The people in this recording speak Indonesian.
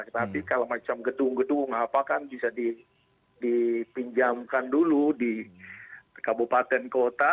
tetapi kalau macam gedung gedung apa kan bisa dipinjamkan dulu di kabupaten kota